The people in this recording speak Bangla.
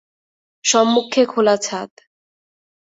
সম্মুখে খোলা ছাদ।